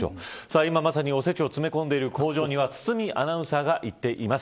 今まさにおせちを詰め込んでいる工場には堤アナウンサーが行っています。